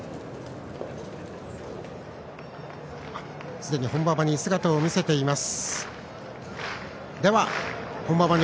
すでに本馬場に姿を見せています。